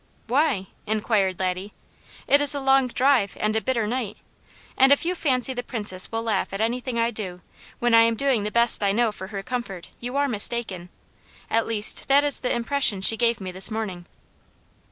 "Why?" inquired Laddie. "It is a long drive and a bitter night, and if you fancy the Princess will laugh at anything I do, when I am doing the best I know for her comfort, you are mistaken. At least, that is the impression she gave me this morning."